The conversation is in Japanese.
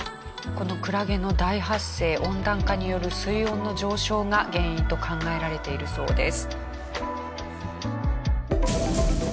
このクラゲの大発生温暖化による水温の上昇が原因と考えられているそうです。